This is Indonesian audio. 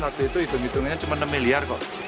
waktu itu hitung hitungannya cuma enam miliar kok